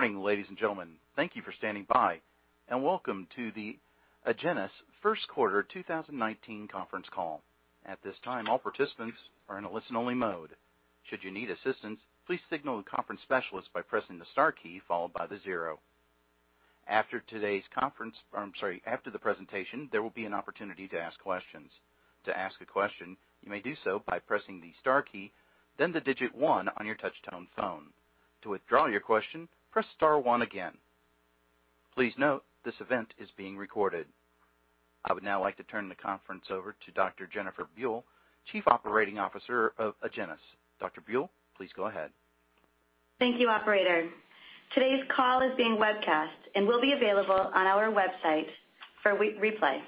Morning, ladies and gentlemen. Thank you for standing by, welcome to the Agenus first quarter 2019 conference call. At this time, all participants are in a listen-only mode. Should you need assistance, please signal the conference specialist by pressing the star key followed by the zero. After the presentation, there will be an opportunity to ask questions. To ask a question, you may do so by pressing the star key, then the digit one on your touch-tone phone. To withdraw your question, press star one again. Please note, this event is being recorded. I would now like to turn the conference over to Dr. Jennifer Buell, Chief Operating Officer of Agenus. Dr. Buell, please go ahead. Thank you, operator. Today's call is being webcast and will be available on our website for replay.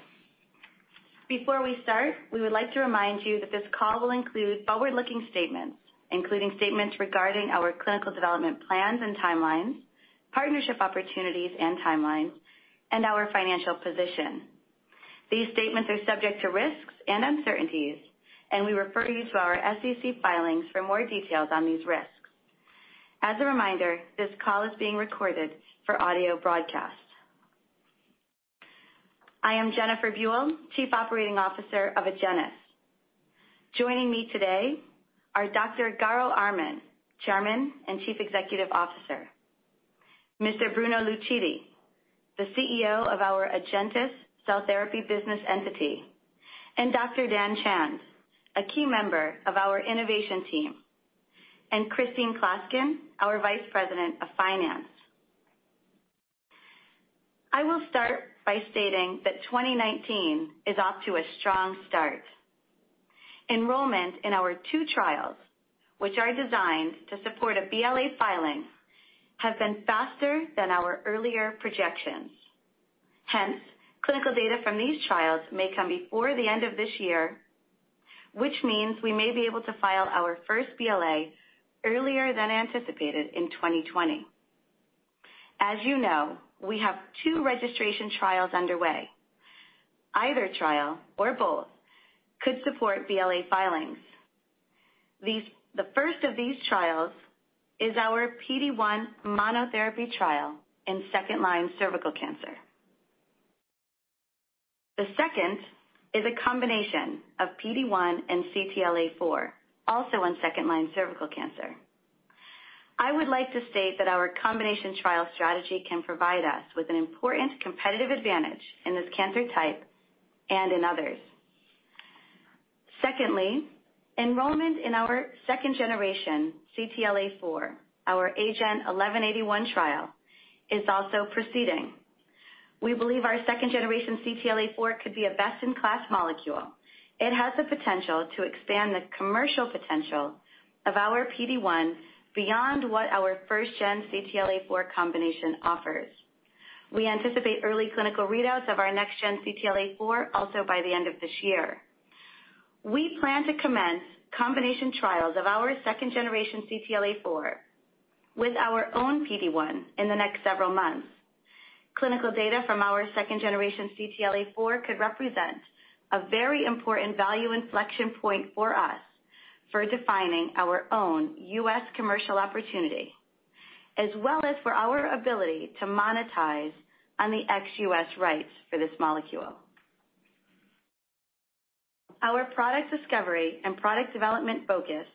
Before we start, we would like to remind you that this call will include forward-looking statements, including statements regarding our clinical development plans and timelines, partnership opportunities and timelines, and our financial position. These statements are subject to risks and uncertainties, we refer you to our SEC filings for more details on these risks. As a reminder, this call is being recorded for audio broadcast. I am Jennifer Buell, Chief Operating Officer of Agenus. Joining me today are Dr. Garo Armen, Chairman and Chief Executive Officer. Mr. Bruno Lucidi, the CEO of our AgenTus cell therapy business entity, Dr. Dhan Chand, a key member of our innovation team, Christine Klaskin, our Vice President of Finance. I will start by stating that 2019 is off to a strong start. Enrollment in our two trials, which are designed to support a BLA filing, has been faster than our earlier projections. Hence, clinical data from these trials may come before the end of this year, which means we may be able to file our first BLA earlier than anticipated in 2020. As you know, we have two registration trials underway. Either trial or both could support BLA filings. The first of these trials is our PD-1 monotherapy trial in second-line cervical cancer. The second is a combination of PD-1 and CTLA-4, also on second-line cervical cancer. I would like to state that our combination trial strategy can provide us with an important competitive advantage in this cancer type and in others. Secondly, enrollment in our second-generation CTLA-4, our AGEN1181 trial, is also proceeding. We believe our second-generation CTLA-4 could be a best-in-class molecule. It has the potential to expand the commercial potential of our PD-1 beyond what our first-gen CTLA-4 combination offers. We anticipate early clinical readouts of our next gen CTLA-4 also by the end of this year. We plan to commence combination trials of our second-generation CTLA-4 with our own PD-1 in the next several months. Clinical data from our second-generation CTLA-4 could represent a very important value inflection point for us for defining our own U.S. commercial opportunity, as well as for our ability to monetize on the ex-U.S. rights for this molecule. Our product discovery and product development focus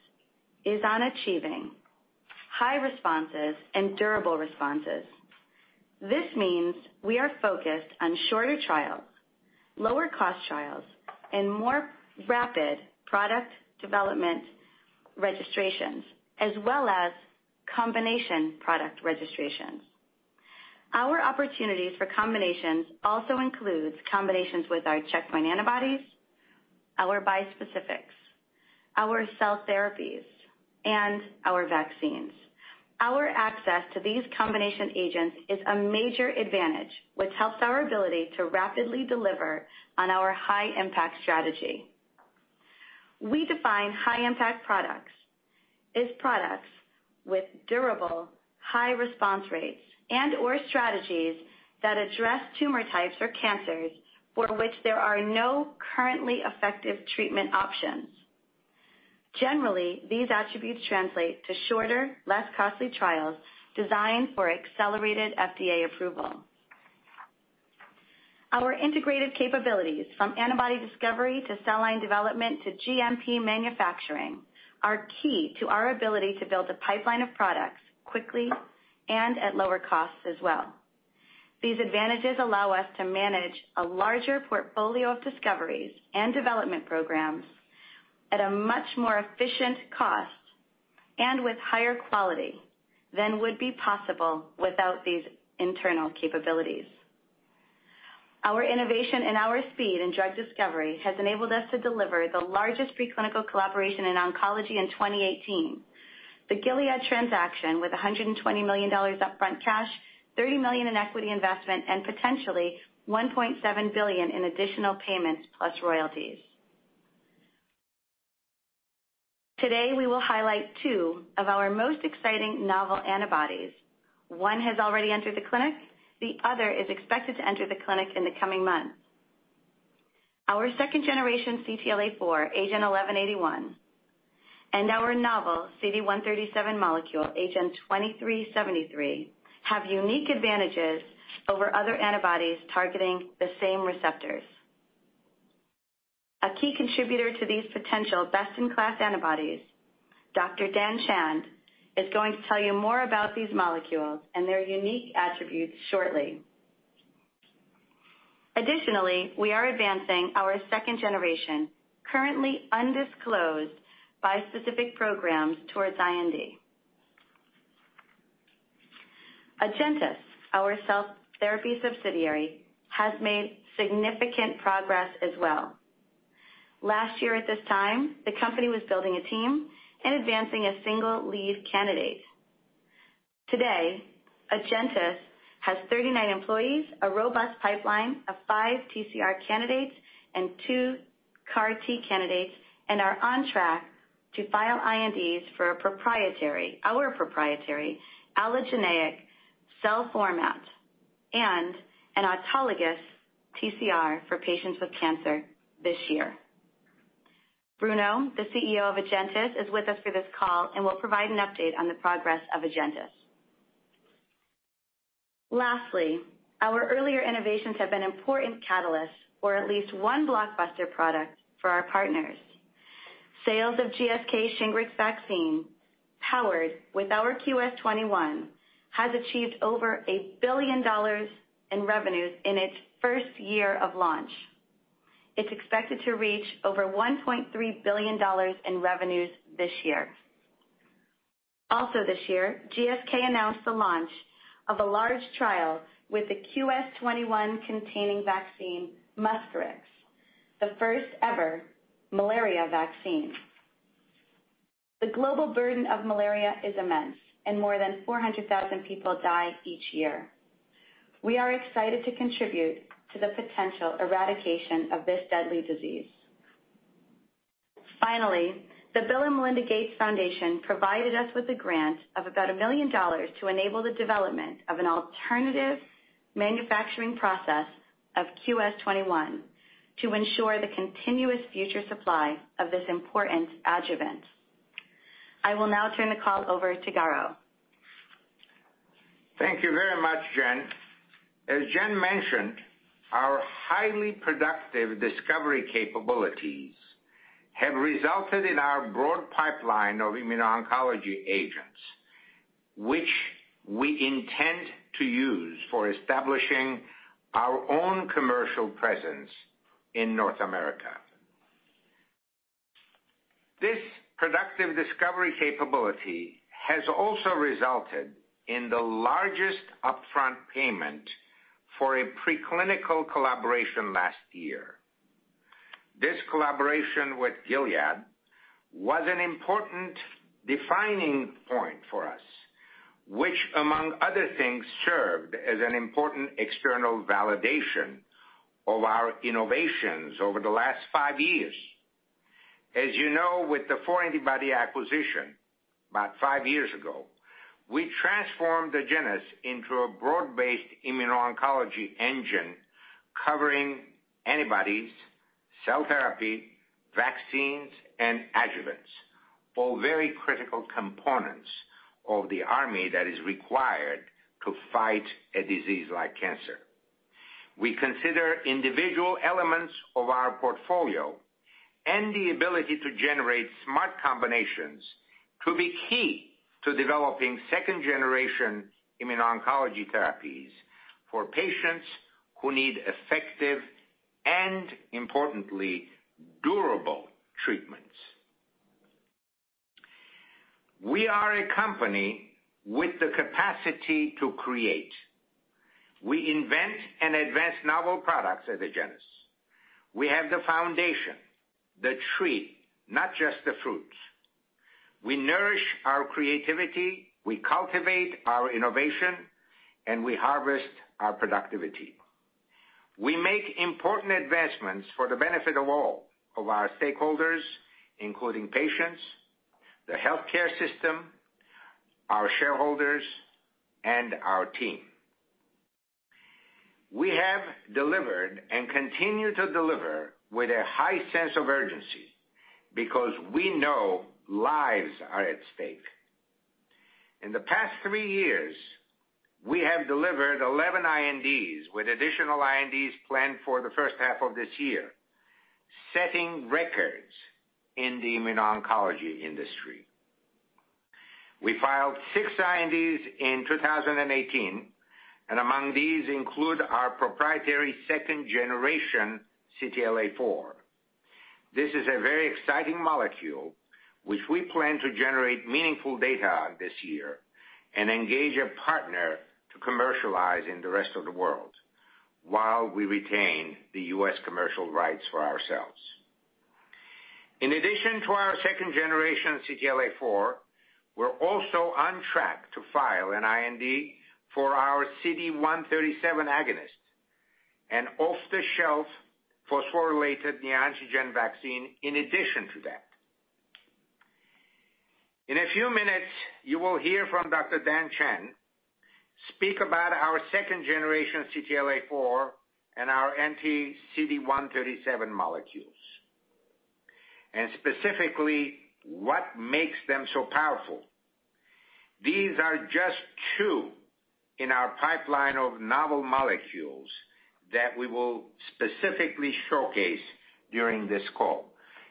is on achieving high responses and durable responses. This means we are focused on shorter trials, lower cost trials, and more rapid product development registrations, as well as combination product registrations. Our opportunities for combinations also includes combinations with our checkpoint antibodies, our bispecifics, our cell therapies, and our vaccines. Our access to these combination agents is a major advantage, which helps our ability to rapidly deliver on our high-impact strategy. We define high-impact products as products with durable high response rates and/or strategies that address tumor types or cancers for which there are no currently effective treatment options. Generally, these attributes translate to shorter, less costly trials designed for accelerated FDA approval. Our integrated capabilities, from antibody discovery to cell line development to GMP manufacturing, are key to our ability to build a pipeline of products quickly and at lower costs as well. These advantages allow us to manage a larger portfolio of discoveries and development programs at a much more efficient cost and with higher quality than would be possible without these internal capabilities. Our innovation and our speed in drug discovery has enabled us to deliver the largest preclinical collaboration in oncology in 2018, the Gilead transaction, with $120 million upfront cash, $30 million in equity investment, and potentially $1.7 billion in additional payments plus royalties. Today, we will highlight two of our most exciting novel antibodies. One has already entered the clinic; the other is expected to enter the clinic in the coming months. Our second-generation CTLA-4, AGEN1181, and our novel CD137 molecule, AGEN2373, have unique advantages over other antibodies targeting the same receptors. A key contributor to these potential best-in-class antibodies, Dr. Dhan Chand, is going to tell you more about these molecules and their unique attributes shortly. Additionally, we are advancing our second generation, currently undisclosed bispecific programs towards IND. MiNK Therapeutics, our cell therapy subsidiary, has made significant progress as well. Last year at this time, the company was building a team and advancing a single lead candidate. Today, Agenus has 39 employees, a robust pipeline of five TCR candidates and two CAR T candidates, and are on track to file INDs for our proprietary allogeneic cell format and an autologous TCR for patients with cancer this year. Bruno, the CEO of Agenus, is with us for this call and will provide an update on the progress of Agenus. Lastly, our earlier innovations have been important catalysts for at least one blockbuster product for our partners. Sales of GSK's SHINGRIX vaccine, powered with our QS-21, has achieved over $1 billion in revenues in its first year of launch. It's expected to reach over $1.3 billion in revenues this year. Also this year, GSK announced the launch of a large trial with a QS-21-containing vaccine, Mosquirix, the first ever malaria vaccine. More than 400,000 people die each year. We are excited to contribute to the potential eradication of this deadly disease. Finally, the Bill & Melinda Gates Foundation provided us with a grant of about $1 million to enable the development of an alternative manufacturing process of QS-21 to ensure the continuous future supply of this important adjuvant. I will now turn the call over to Garo. Thank you very much, Jen. As Jen mentioned, our highly productive discovery capabilities have resulted in our broad pipeline of immuno-oncology agents, which we intend to use for establishing our own commercial presence in North America. This productive discovery capability has also resulted in the largest upfront payment for a preclinical collaboration last year. This collaboration with Gilead was an important defining point for us, which, among other things, served as an important external validation of our innovations over the last five years. As you know, with the 4-Antibody acquisition about five years ago, we transformed Agenus into a broad-based immuno-oncology engine covering antibodies, cell therapy, vaccines, and adjuvants. All very critical components of the army that is required to fight a disease like cancer. We consider individual elements of our portfolio and the ability to generate smart combinations to be key to developing second-generation immuno-oncology therapies for patients who need effective and, importantly, durable treatments. We are a company with the capacity to create. We invent and advance novel products at Agenus. We have the foundation, the tree, not just the fruits. We nourish our creativity, we cultivate our innovation, and we harvest our productivity. We make important advancements for the benefit of all of our stakeholders, including patients, the healthcare system, our shareholders, and our team. We have delivered and continue to deliver with a high sense of urgency because we know lives are at stake. In the past three years, we have delivered 11 INDs with additional INDs planned for the first half of this year, setting records in the immuno-oncology industry. We filed six INDs in 2018, among these include our proprietary second-generation CTLA-4. This is a very exciting molecule, which we plan to generate meaningful data on this year and engage a partner to commercialize in the rest of the world while we retain the U.S. commercial rights for ourselves. In addition to our second-generation CTLA-4, we are also on track to file an IND for our CD137 agonist, an off-the-shelf phosphorylated neoantigen vaccine in addition to that. In a few minutes, you will hear from Dr. Dhan Chand speak about our second-generation CTLA-4 and our anti-CD137 molecules, and specifically, what makes them so powerful. These are just two in our pipeline of novel molecules that we will specifically showcase during this call.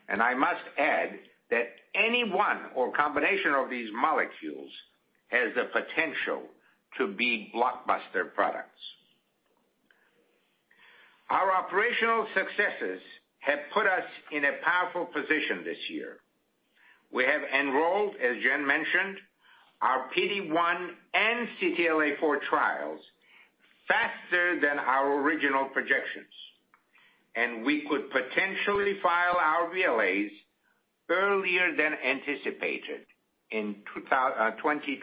I must add that any one or combination of these molecules has the potential to be blockbuster products. Our operational successes have put us in a powerful position this year. We have enrolled, as Jen mentioned, our PD-1 and CTLA-4 trials faster than our original projections, and we could potentially file our BLAs earlier than anticipated in 2020.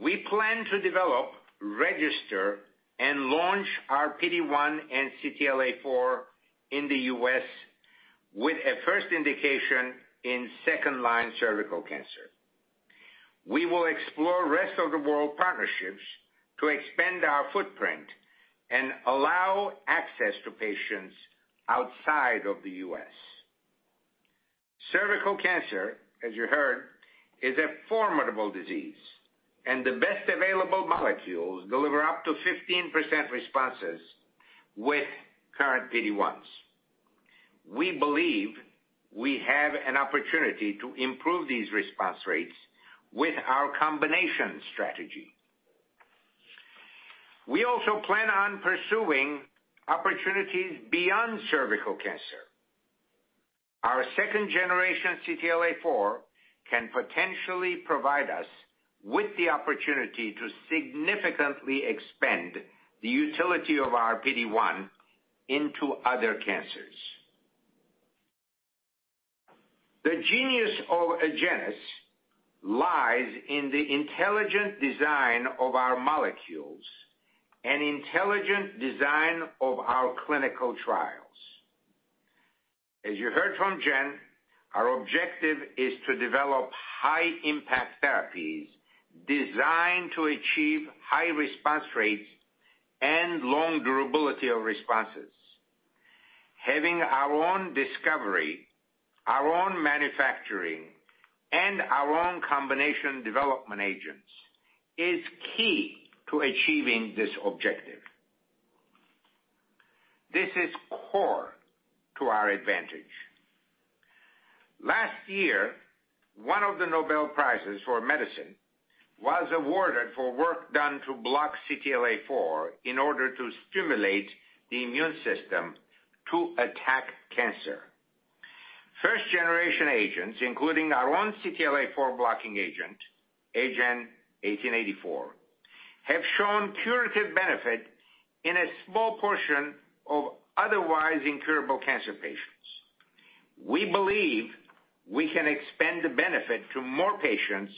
We plan to develop, register, and launch our PD-1 and CTLA-4 in the U.S. with a first indication in second-line cervical cancer. We will explore rest-of-the-world partnerships to expand our footprint and allow access to patients outside of the U.S. Cervical cancer, as you heard, is a formidable disease, the best available molecules deliver up to 15% responses with current PD-1s. We believe we have an opportunity to improve these response rates with our combination strategy. We also plan on pursuing opportunities beyond cervical cancer. Our second-generation CTLA-4 can potentially provide us with the opportunity to significantly expand the utility of our PD-1 into other cancers. The genius of Agenus lies in the intelligent design of our molecules and intelligent design of our clinical trials. As you heard from Jen, our objective is to develop high-impact therapies designed to achieve high response rates and long durability of responses. Having our own discovery, our own manufacturing, and our own combination development agents is key to achieving this objective. This is core to our advantage. Last year, one of the Nobel Prizes for medicine was awarded for work done to block CTLA-4 in order to stimulate the immune system to attack cancer. First-generation agents, including our own CTLA-4 blocking agent, AGEN1884, have shown curative benefit in a small portion of otherwise incurable cancer patients. We believe we can expand the benefit to more patients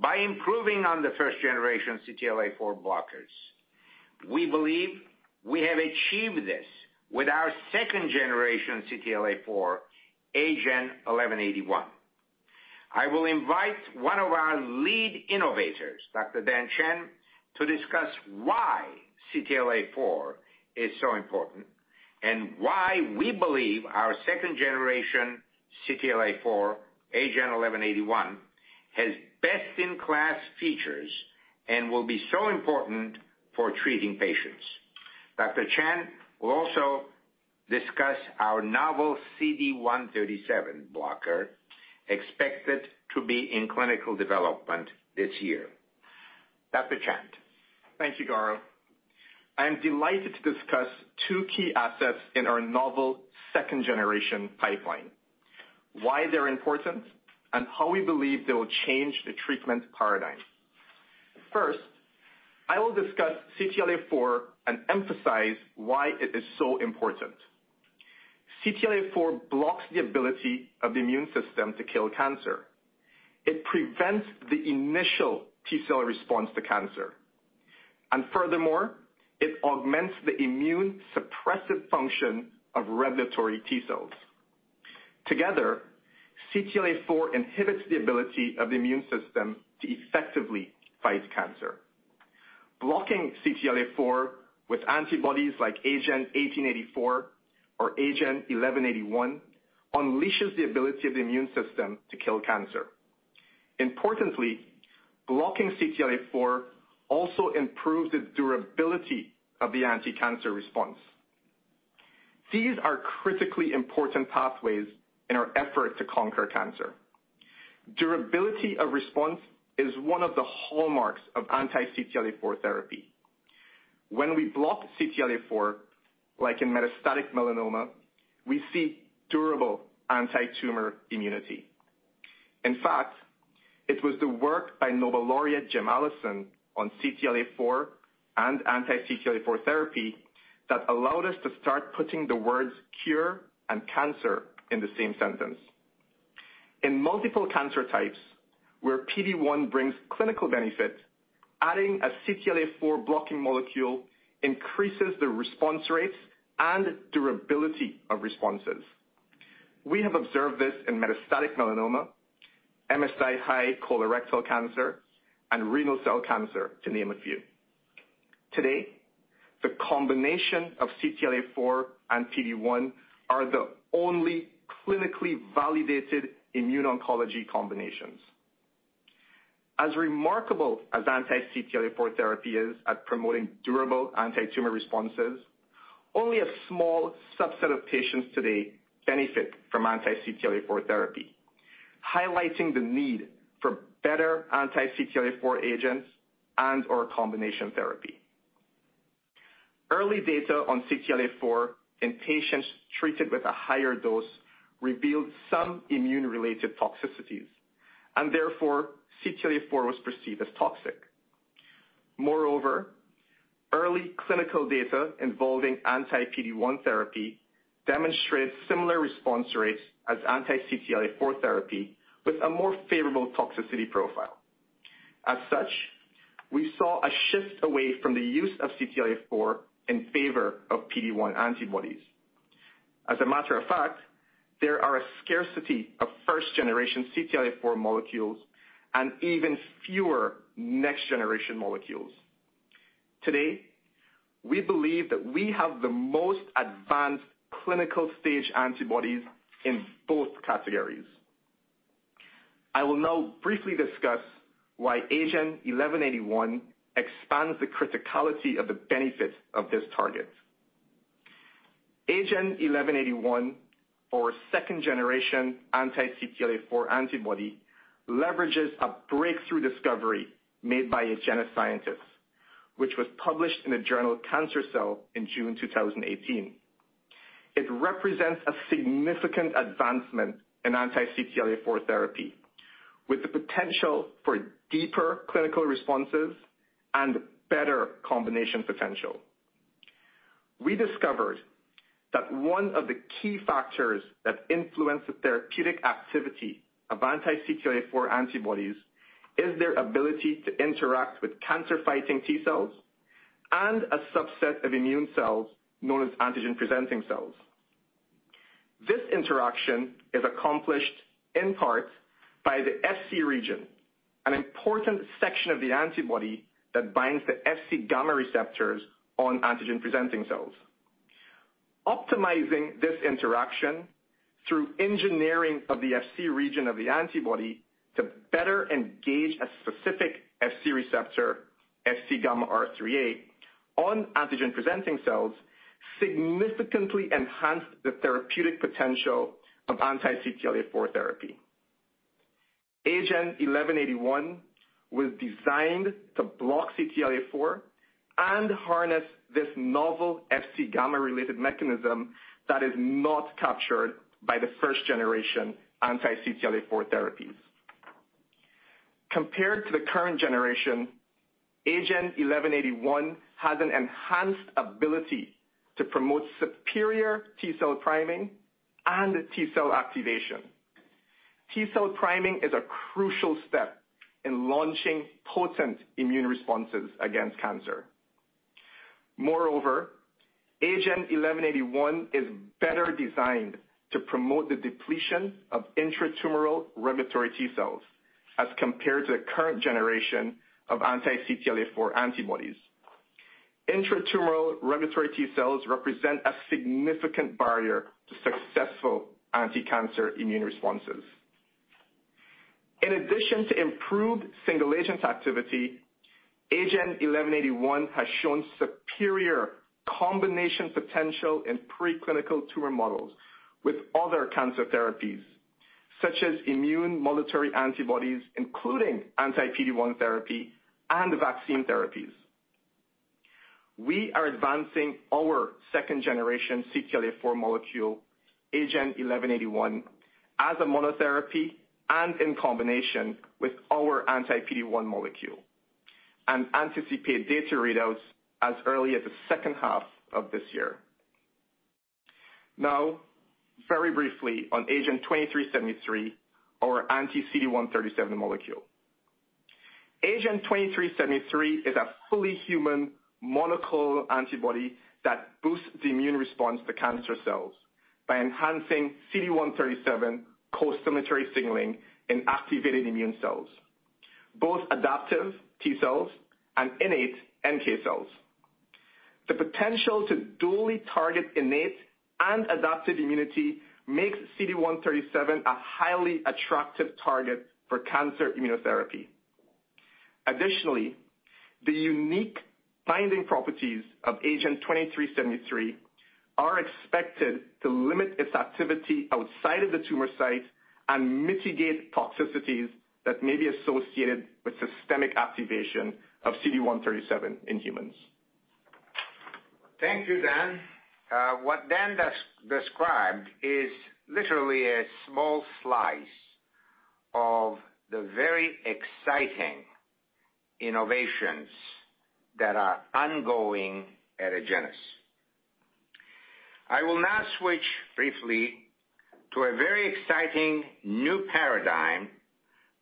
by improving on the first-generation CTLA-4 blockers. We believe we have achieved this with our second-generation CTLA-4, AGEN1181. I will invite one of our lead innovators, Dr. Dhan Chand, to discuss why CTLA-4 is so important and why we believe our second-generation CTLA-4, AGEN1181, has best-in-class features and will be so important for treating patients. Dr. Chand will also discuss our novel CD137 blocker, expected to be in clinical development this year. Dr. Chand. Thank you, Garo. I am delighted to discuss two key assets in our novel second-generation pipeline, why they're important, and how we believe they will change the treatment paradigm. First, I will discuss CTLA-4 and emphasize why it is so important. CTLA-4 blocks the ability of the immune system to kill cancer. It prevents the initial T-cell response to cancer, and furthermore, it augments the immune-suppressive function of regulatory T cells. Together, CTLA-4 inhibits the ability of the immune system to effectively fight cancer. Blocking CTLA-4 with antibodies like AGEN1884 or AGEN1181 unleashes the ability of the immune system to kill cancer. Importantly, blocking CTLA-4 also improves the durability of the anti-cancer response. These are critically important pathways in our effort to conquer cancer. Durability of response is one of the hallmarks of anti-CTLA-4 therapy. When we block CTLA-4, like in metastatic melanoma, we see durable anti-tumor immunity. In fact, it was the work by Nobel laureate Jim Allison on CTLA-4 and anti-CTLA-4 therapy that allowed us to start putting the words cure and cancer in the same sentence. In multiple cancer types where PD-1 brings clinical benefit. Adding a CTLA-4 blocking molecule increases the response rates and durability of responses. We have observed this in metastatic melanoma, MSI-high colorectal cancer, and renal cell cancer, to name a few. Today, the combination of CTLA-4 and PD-1 are the only clinically validated immune oncology combinations. As remarkable as anti-CTLA-4 therapy is at promoting durable anti-tumor responses, only a small subset of patients today benefit from anti-CTLA-4 therapy, highlighting the need for better anti-CTLA-4 agents and/or combination therapy. Early data on CTLA-4 in patients treated with a higher dose revealed some immune-related toxicities. Therefore, CTLA-4 was perceived as toxic. Moreover, early clinical data involving anti-PD-1 therapy demonstrated similar response rates as anti-CTLA-4 therapy with a more favorable toxicity profile. As such, we saw a shift away from the use of CTLA-4 in favor of PD-1 antibodies. As a matter of fact, there are a scarcity of first generation CTLA-4 molecules and even fewer next generation molecules. Today, we believe that we have the most advanced clinical stage antibodies in both categories. I will now briefly discuss why AGEN1181 expands the criticality of the benefit of this target. AGEN1181, our second generation anti-CTLA-4 antibody, leverages a breakthrough discovery made by Agenus scientists, which was published in the journal "Cancer Cell" in June 2018. It represents a significant advancement in anti-CTLA-4 therapy, with the potential for deeper clinical responses and better combination potential. We discovered that one of the key factors that influence the therapeutic activity of anti-CTLA-4 antibodies is their ability to interact with cancer-fighting T cells and a subset of immune cells known as antigen-presenting cells. This interaction is accomplished in part by the Fc region, an important section of the antibody that binds the Fc gamma receptors on antigen-presenting cells. Optimizing this interaction through engineering of the Fc region of the antibody to better engage a specific Fc receptor, Fc gamma RIIIA, on antigen-presenting cells significantly enhanced the therapeutic potential of anti-CTLA-4 therapy. AGEN1181 was designed to block CTLA-4 and harness this novel Fc gamma-related mechanism that is not captured by the first generation anti-CTLA-4 therapies. Compared to the current generation, AGEN1181 has an enhanced ability to promote superior T-cell priming and T cell activation. T-cell priming is a crucial step in launching potent immune responses against cancer. Moreover, AGEN1181 is better designed to promote the depletion of intratumoral regulatory T cells as compared to the current generation of anti-CTLA-4 antibodies. Intratumoral regulatory T cells represent a significant barrier to successful anticancer immune responses. In addition to improved single agent activity, AGEN1181 has shown superior combination potential in preclinical tumor models with other cancer therapies, such as immunomonitory antibodies, including anti-PD-1 therapy and vaccine therapies. We are advancing our second generation CTLA-4 molecule, AGEN1181, as a monotherapy and in combination with our anti-PD-1 molecule, and anticipate data readouts as early as the second half of this year. Now, very briefly on AGEN2373, our anti-CD137 molecule. AGEN2373 is a fully human monoclonal antibody that boosts the immune response to cancer cells by enhancing CD137 costimulatory signaling in activated immune cells, both adaptive T cells and innate NK cells. The potential to dually target innate and adaptive immunity makes CD137 a highly attractive target for cancer immunotherapy. Additionally, the unique binding properties of AGEN2373 are expected to limit its activity outside of the tumor site and mitigate toxicities that may be associated with systemic activation of CD137 in humans. Thank you, Dhan. What Dhan described is literally a small slice of the very exciting innovations that are ongoing at Agenus. I will now switch briefly to a very exciting new paradigm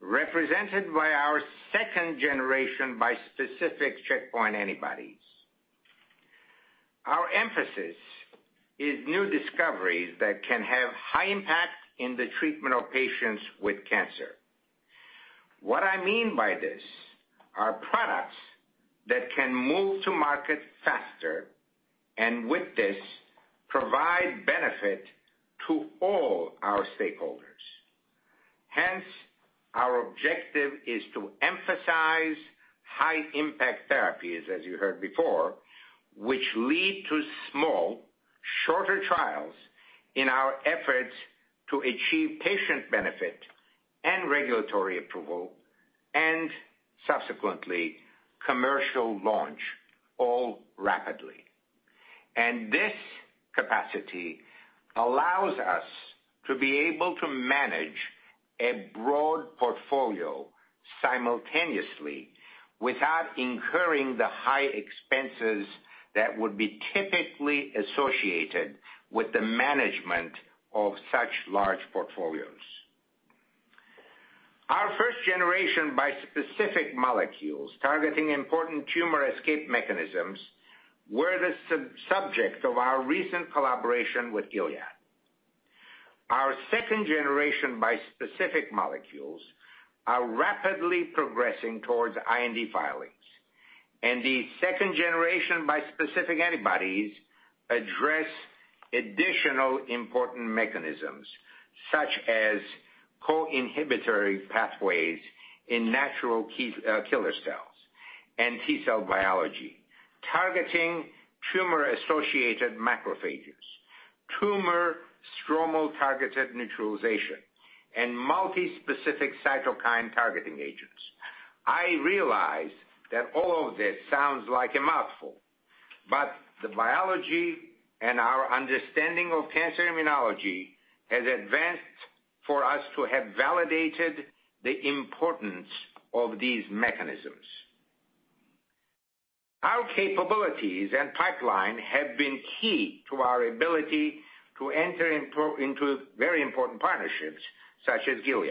represented by our second-generation bispecific checkpoint antibodies. Our emphasis is new discoveries that can have high impact in the treatment of patients with cancer. What I mean by this are products that can move to market faster, with this, provide benefit to all our stakeholders. Hence, our objective is to emphasize high-impact therapies, as you heard before, which lead to small, shorter trials in our efforts to achieve patient benefit and regulatory approval, subsequently commercial launch, all rapidly. This capacity allows us to be able to manage a broad portfolio simultaneously without incurring the high expenses that would be typically associated with the management of such large portfolios. Our first-generation bispecific molecules targeting important tumor escape mechanisms were the subject of our recent collaboration with Gilead. Our second-generation bispecific molecules are rapidly progressing towards IND filings. The second-generation bispecific antibodies address additional important mechanisms such as co-inhibitory pathways in NK cells and T-cell biology, targeting tumor-associated macrophages, tumor stromal-targeted neutralization, and multi-specific cytokine-targeting agents. I realize that all of this sounds like a mouthful, the biology and our understanding of cancer immunology has advanced for us to have validated the importance of these mechanisms. Our capabilities and pipeline have been key to our ability to enter into very important partnerships such as Gilead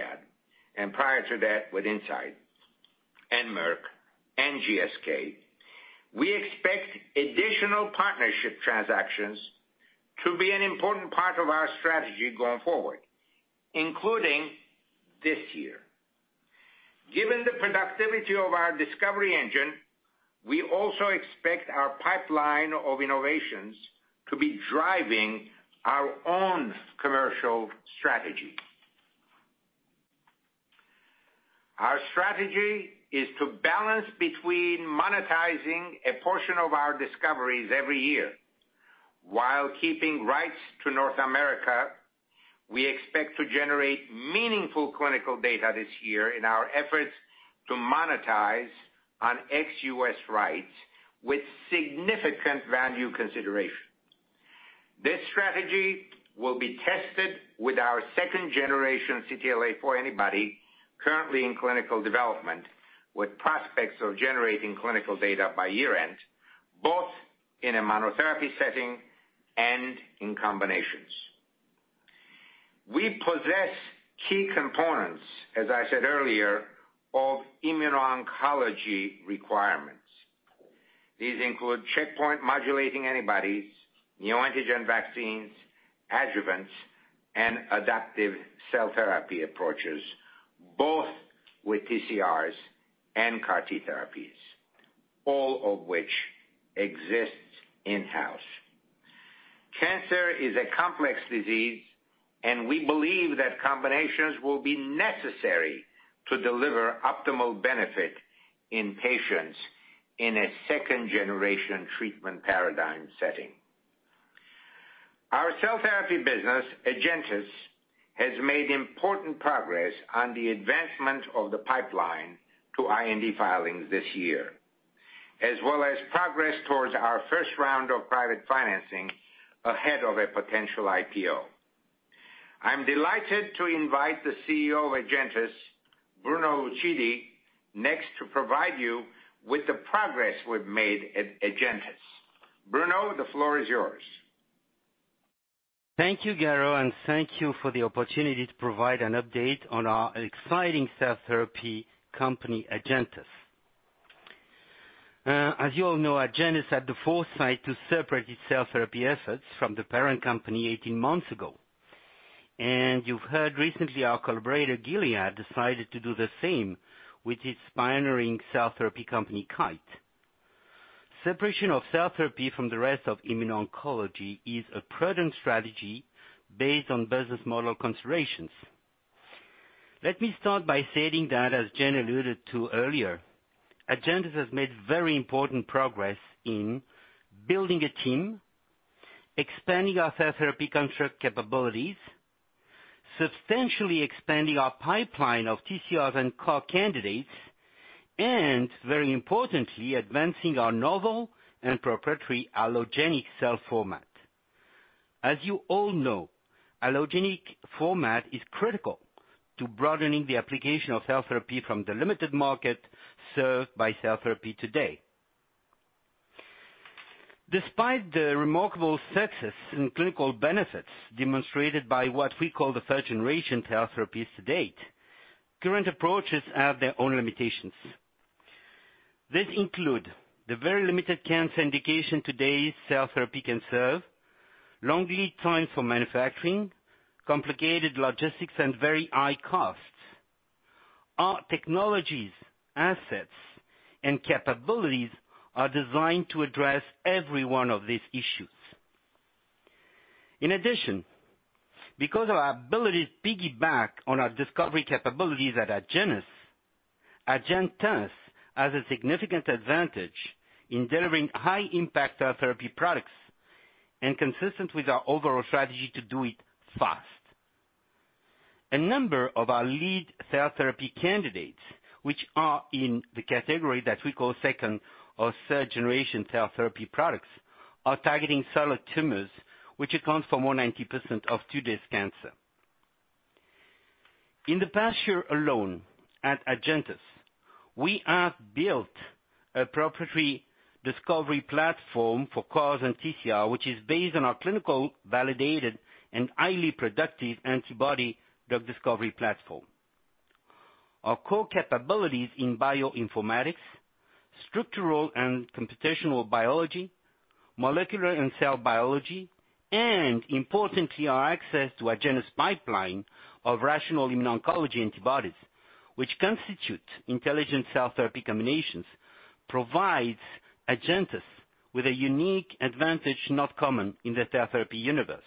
Sciences, prior to that with Incyte and Merck & Co. and GSK. We expect additional partnership transactions to be an important part of our strategy going forward, including this year. Given the productivity of our discovery engine, we also expect our pipeline of innovations to be driving our own commercial strategy. Our strategy is to balance between monetizing a portion of our discoveries every year while keeping rights to North America. We expect to generate meaningful clinical data this year in our efforts to monetize on ex-U.S. rights with significant value consideration. This strategy will be tested with our second-generation CTLA-4 antibody currently in clinical development with prospects of generating clinical data by year-end, both in a monotherapy setting and in combinations. We possess key components, as I said earlier, of immuno-oncology requirements. These include checkpoint-modulating antibodies, neoantigen vaccines, adjuvants, and adaptive cell therapy approaches, both with TCRs and CAR T therapies, all of which exist in-house. Cancer is a complex disease, we believe that combinations will be necessary to deliver optimal benefit in patients in a second-generation treatment paradigm setting. Our cell therapy business, MiNK Therapeutics, has made important progress on the advancement of the pipeline to IND filings this year, as well as progress towards our first round of private financing ahead of a potential IPO. I'm delighted to invite the CEO of AgenTus, Bruno Lucidi, next to provide you with the progress we've made at AgenTus. Bruno, the floor is yours. Thank you, Garo, and thank you for the opportunity to provide an update on our exciting cell therapy company, Agenus. As you all know, Agenus had the foresight to separate its cell therapy efforts from the parent company 18 months ago, and you've heard recently our collaborator, Gilead, decided to do the same with its pioneering cell therapy company, Kite. Separation of cell therapy from the rest of immuno-oncology is a prudent strategy based on business model considerations. Let me start by stating that, as Jen alluded to earlier, Agenus has made very important progress in building a team, expanding our cell therapy construct capabilities, substantially expanding our pipeline of TCRs and CAR candidates, and very importantly, advancing our novel and proprietary allogeneic cell format. As you all know, allogeneic format is critical to broadening the application of cell therapy from the limited market served by cell therapy today. Despite the remarkable success and clinical benefits demonstrated by what we call the first-generation cell therapies to date, current approaches have their own limitations. These include the very limited cancer indication today's cell therapy can serve, long lead times for manufacturing, complicated logistics, and very high costs. Our technologies, assets, and capabilities are designed to address every one of these issues. In addition, because our abilities piggyback on our discovery capabilities at Agenus, AgenTus has a significant advantage in delivering high-impact cell therapy products and consistent with our overall strategy to do it fast. A number of our lead cell therapy candidates, which are in the category that we call second or third generation cell therapy products, are targeting solid tumors, which accounts for more than 90% of today's cancer. In the past year alone at AgenTus, we have built a proprietary discovery platform for CARs and TCR, which is based on our clinical, validated, and highly productive antibody drug discovery platform. Our core capabilities in bioinformatics, structural and computational biology, molecular and cell biology, and importantly, our access to Agenus' pipeline of rational immuno-oncology antibodies, which constitute intelligent cell therapy combinations, provides AgenTus with a unique advantage not common in the cell therapy universe.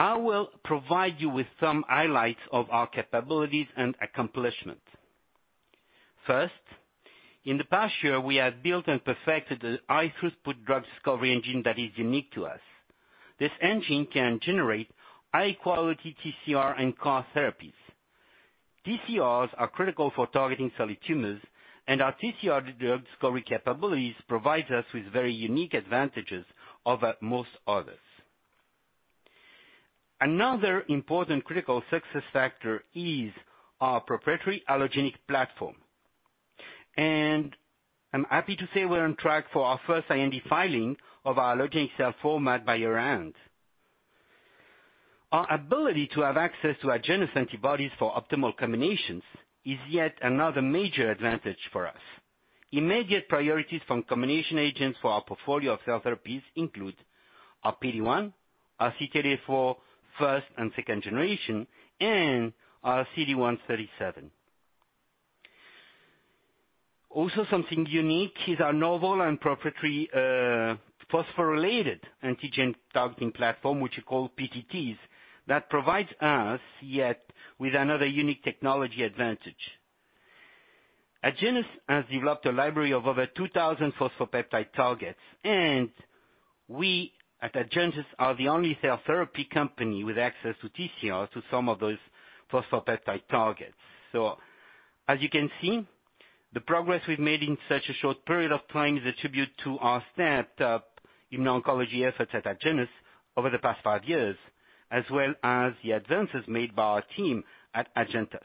I will provide you with some highlights of our capabilities and accomplishments. First, in the past year, we have built and perfected a high-throughput drug discovery engine that is unique to us. This engine can generate high-quality TCR and CAR therapies. TCRs are critical for targeting solid tumors, and our TCR drug discovery capabilities provide us with very unique advantages over most others. Another important critical success factor is our proprietary allogeneic platform. I'm happy to say we're on track for our first IND filing of our allogeneic cell format by year-end. Our ability to have access to Agenus antibodies for optimal combinations is yet another major advantage for us. Immediate priorities from combination agents for our portfolio of cell therapies include our PD-1, our CTLA-4, first and second generation, and our CD137. Also something unique is our novel and proprietary, phosphorylated antigen targeting platform, which we call PTTs, that provides us yet with another unique technology advantage. Agenus has developed a library of over 2,000 phosphopeptide targets, and we at AgenTus are the only cell therapy company with access to TCR to some of those phosphopeptide targets. As you can see, the progress we've made in such a short period of time is a tribute to our stacked up immuno-oncology efforts at Agenus over the past five years, as well as the advances made by our team at AgenTus.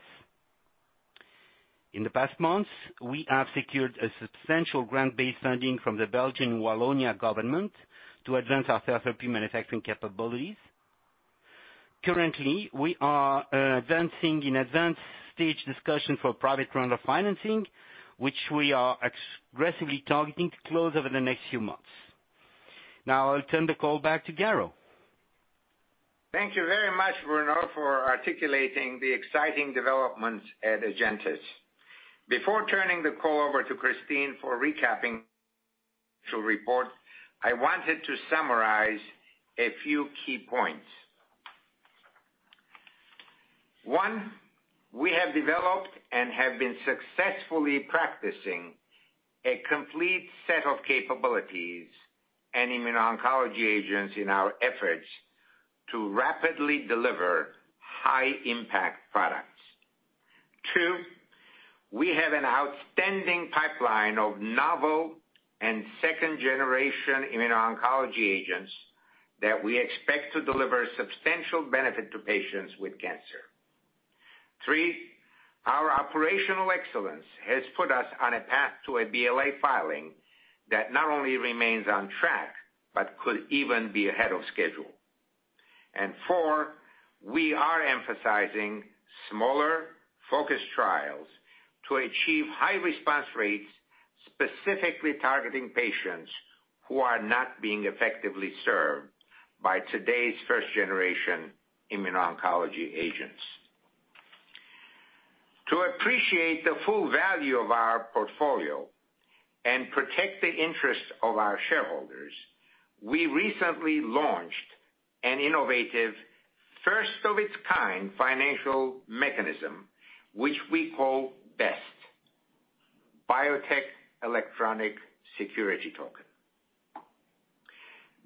In the past months, we have secured a substantial grant base funding from the Belgian Wallonia government to advance our cell therapy manufacturing capabilities. Currently, we are advancing in advanced stage discussions for private round of financing, which we are aggressively targeting to close over the next few months. I'll turn the call back to Garo. Thank you very much, Bruno, for articulating the exciting developments at AgenTus. Before turning the call over to Christine for recapping the report, I wanted to summarize a few key points. One, we have developed and have been successfully practicing a complete set of capabilities and immuno-oncology agents in our efforts to rapidly deliver high-impact products. Two, we have an outstanding pipeline of novel and second-generation immuno-oncology agents that we expect to deliver substantial benefit to patients with cancer. Three, our operational excellence has put us on a path to a BLA filing that not only remains on track, but could even be ahead of schedule. Four, we are emphasizing smaller, focused trials to achieve high response rates, specifically targeting patients who are not being effectively served by today's first-generation immuno-oncology agents. To appreciate the full value of our portfolio and protect the interests of our shareholders, we recently launched an innovative first-of-its-kind financial mechanism, which we call BEST, Biotech Electronic Security Token.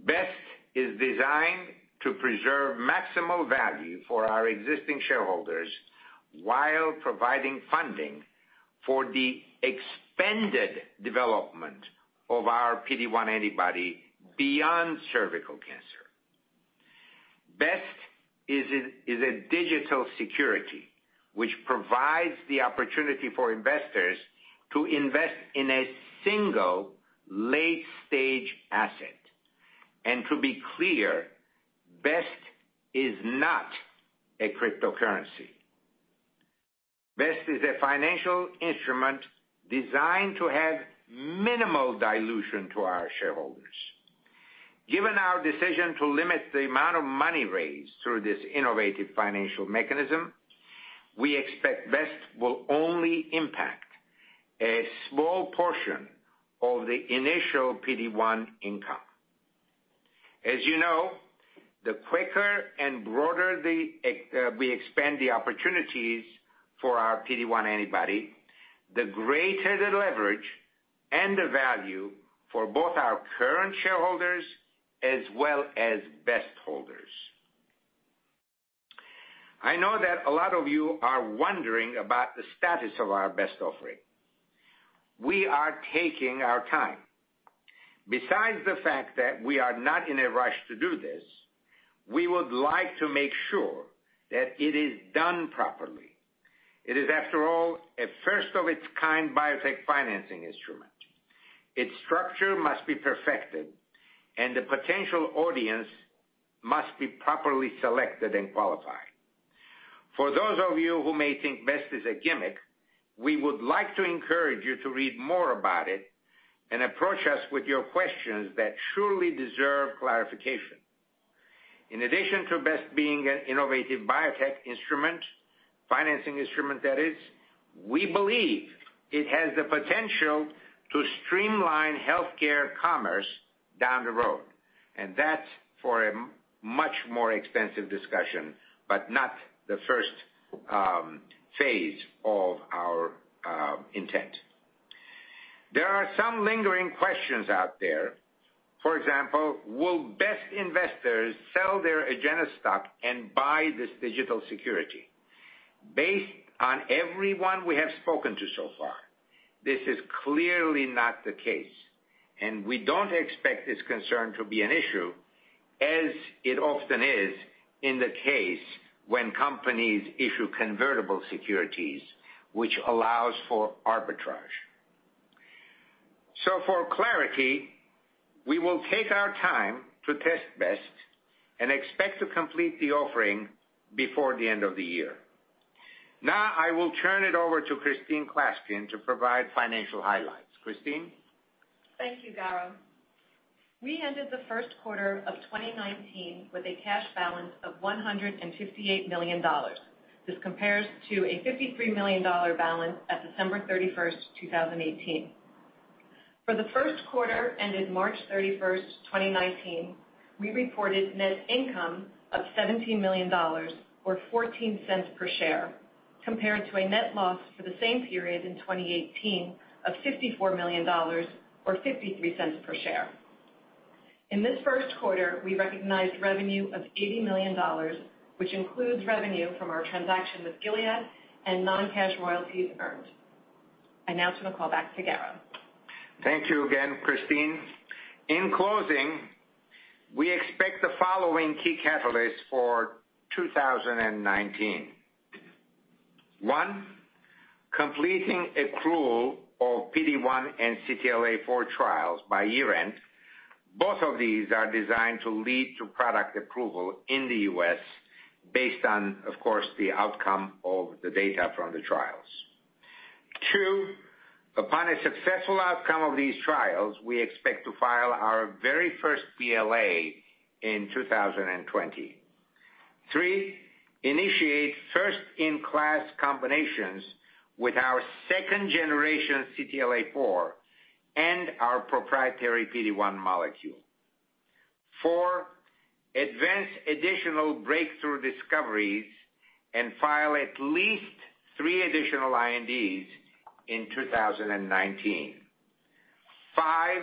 BEST is designed to preserve maximal value for our existing shareholders while providing funding for the expanded development of our PD-1 antibody beyond cervical cancer. BEST is a digital security which provides the opportunity for investors to invest in a single late-stage asset. To be clear, BEST is not a cryptocurrency. BEST is a financial instrument designed to have minimal dilution to our shareholders. Given our decision to limit the amount of money raised through this innovative financial mechanism, we expect BEST will only impact a small portion of the initial PD-1 income. You know, the quicker and broader we expand the opportunities for our PD-1 antibody, the greater the leverage and the value for both our current shareholders as well as BEST holders. I know that a lot of you are wondering about the status of our BEST offering. We are taking our time. Besides the fact that we are not in a rush to do this, we would like to make sure that it is done properly. It is, after all, a first-of-its-kind biotech financing instrument. Its structure must be perfected, and the potential audience must be properly selected and qualified. For those of you who may think BEST is a gimmick, we would like to encourage you to read more about it and approach us with your questions that truly deserve clarification. In addition to BEST being an innovative biotech instrument, financing instrument, that is, we believe it has the potential to streamline healthcare commerce down the road, and that's for a much more extensive discussion, but not the first phase of our intent. There are some lingering questions out there. For example, will BEST investors sell their Agenus stock and buy this digital security? Based on everyone we have spoken to so far, this is clearly not the case, and we don't expect this concern to be an issue, as it often is in the case when companies issue convertible securities, which allows for arbitrage. For clarity, we will take our time to test BEST and expect to complete the offering before the end of the year. I will turn it over to Christine Klaskin to provide financial highlights. Christine? Thank you, Garo. We ended the first quarter of 2019 with a cash balance of $158 million. This compares to a $53 million balance at December 31st, 2018. For the first quarter ended March 31st, 2019, we reported net income of $17 million, or $0.14 per share, compared to a net loss for the same period in 2018 of $54 million or $0.53 per share. In this first quarter, we recognized revenue of $80 million, which includes revenue from our transaction with Gilead and non-cash royalties earned. I turn the call back to Garo. Thank you again, Christine. In closing, we expect the following key catalysts for 2019. One, completing accrual of PD-1 and CTLA-4 trials by year-end. Both of these are designed to lead to product approval in the U.S. based on, of course, the outcome of the data from the trials. Two, upon a successful outcome of these trials, we expect to file our very first BLA in 2020. Three, initiate first-in-class combinations with our second-generation CTLA-4 and our proprietary PD-1 molecule. Four, advance additional breakthrough discoveries and file at least three additional INDs in 2019. Five,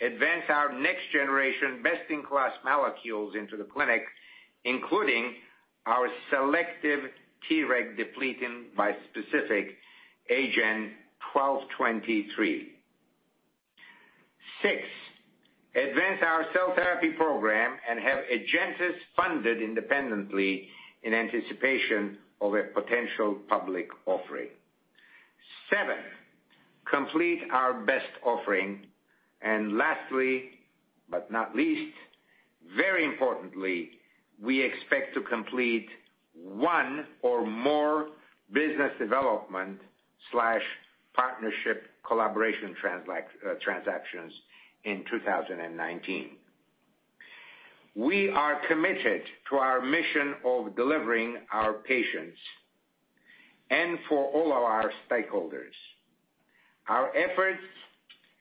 advance our next-generation best-in-class molecules into the clinic, including our selective T-reg depleting bispecific AGEN1223. Six, advance our cell therapy program and have Agenus funded independently in anticipation of a potential public offering. Seven, complete our BEST offering. Lastly, but not least, very importantly, we expect to complete one or more business development/partnership collaboration transactions in 2019. We are committed to our mission of delivering our patients and for all of our stakeholders. Our efforts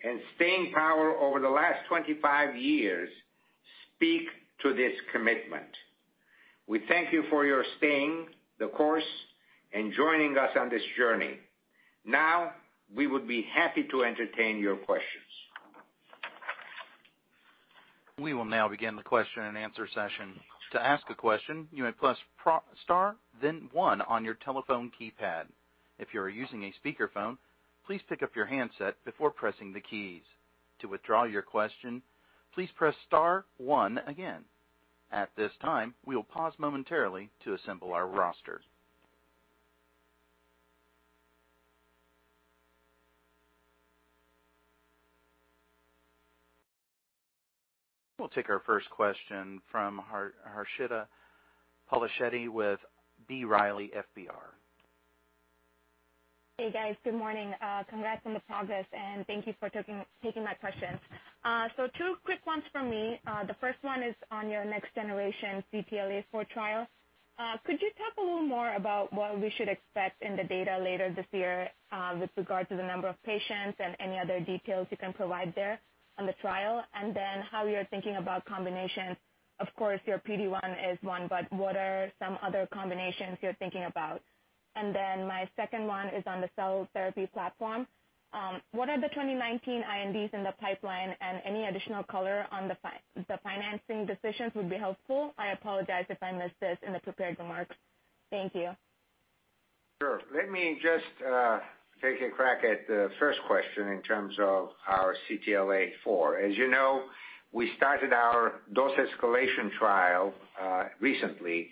and staying power over the last 25 years speak to this commitment. We thank you for your staying the course and joining us on this journey. We would be happy to entertain your questions. We will now begin the question and answer session. To ask a question, you may press star then one on your telephone keypad. If you are using a speakerphone, please pick up your handset before pressing the keys. To withdraw your question, please press star one again. At this time, we will pause momentarily to assemble our roster. We will take our first question from Harshita Pulshetti with B. Riley FBR. Hey, guys. Good morning. Congrats on the progress, and thank you for taking my questions. Two quick ones from me. The first one is on your next generation CTLA-4 trial. Could you talk a little more about what we should expect in the data later this year, with regard to the number of patients and any other details you can provide there on the trial? Then how you are thinking about combinations. Of course, your PD-1 is one, but what are some other combinations you are thinking about? Then my second one is on the cell therapy platform. What are the 2019 INDs in the pipeline and any additional color on the financing decisions would be helpful. I apologize if I missed this in the prepared remarks. Thank you. Sure. Let me just take a crack at the first question in terms of our CTLA-4. As you know, we started our dose escalation trial recently,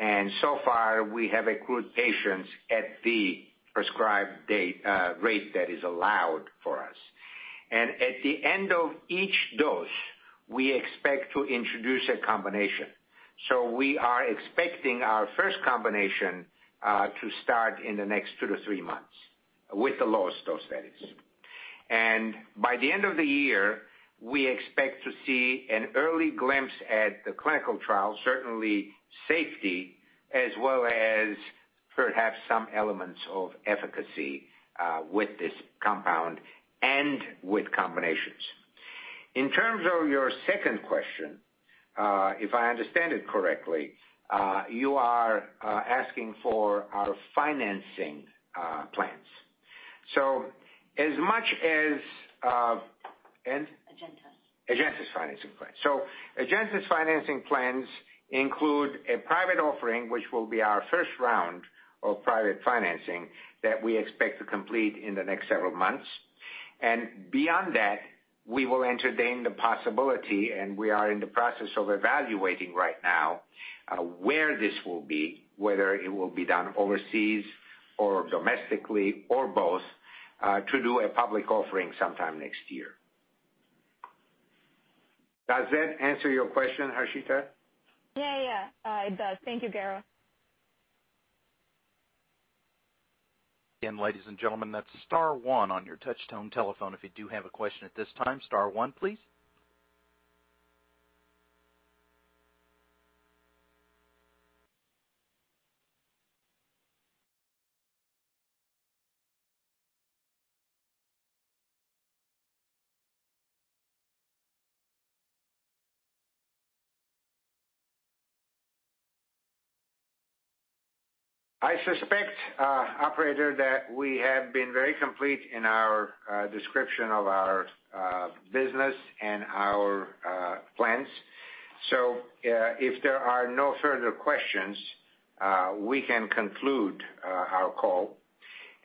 and so far we have accrued patients at the prescribed rate that is allowed for us. At the end of each dose, we expect to introduce a combination. We are expecting our first combination to start in the next two to three months, with the lowest dose, that is. By the end of the year, we expect to see an early glimpse at the clinical trial, certainly safety, as well as perhaps some elements of efficacy, with this compound and with combinations. In terms of your second question, if I understand it correctly, you are asking for our financing plans. Agenus. Agenus financing plans include a private offering, which will be our first round of private financing that we expect to complete in the next several months. Beyond that, we will entertain the possibility, and we are in the process of evaluating right now where this will be, whether it will be done overseas or domestically or both, to do a public offering sometime next year. Does that answer your question, Harshita? Yeah. It does. Thank you, Garo. Again, ladies and gentlemen, that's star one on your touchtone telephone if you do have a question at this time, star one, please. I suspect, operator, that we have been very complete in our description of our business and our plans. If there are no further questions, we can conclude our call.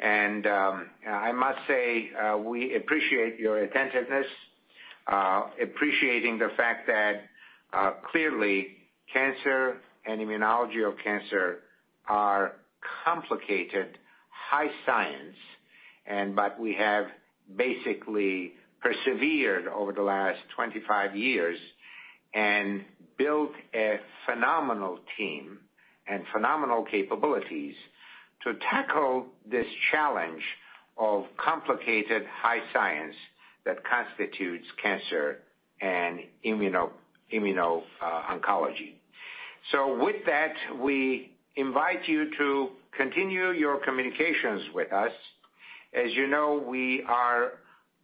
I must say, we appreciate your attentiveness, appreciating the fact that clearly cancer and immunology of cancer are complicated high science, but we have basically persevered over the last 25 years and built a phenomenal team and phenomenal capabilities to tackle this challenge of complicated high science that constitutes cancer and immuno-oncology. With that, we invite you to continue your communications with us. As you know, we are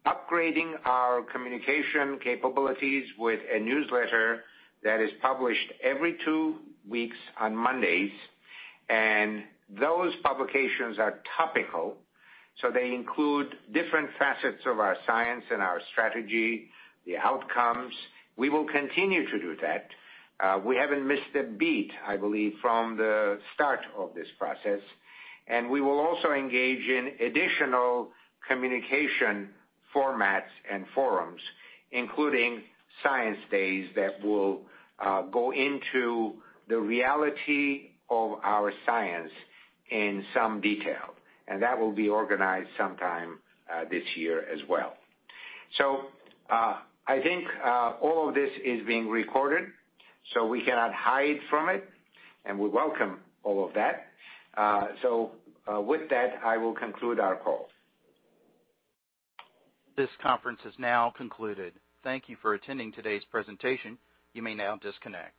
upgrading our communication capabilities with a newsletter that is published every two weeks on Mondays, and those publications are topical, so they include different facets of our science and our strategy, the outcomes. We will continue to do that. We haven't missed a beat, I believe, from the start of this process, and we will also engage in additional communication formats and forums, including science days that will go into the reality of our science in some detail, and that will be organized sometime this year as well. I think all of this is being recorded, so we cannot hide from it, and we welcome all of that. With that, I will conclude our call. This conference is now concluded. Thank you for attending today's presentation. You may now disconnect.